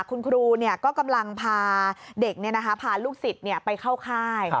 คุณครูก็กำลังพาเด็กพาลูกศิษย์ไปเข้าค่าย